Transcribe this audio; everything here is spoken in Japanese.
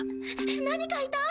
何かいた！